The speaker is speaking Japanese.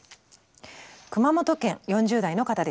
熊本県４０代の方です。